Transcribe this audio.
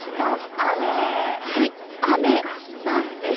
雨なんです。